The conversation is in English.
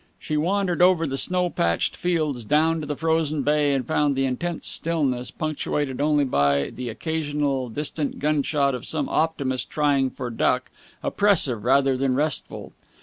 She wandered over the snow patched fields down to the frozen bay, and found the intense stillness, punctuated only by the occasional distant gunshot of some optimist trying for duck, oppressive rather than restful.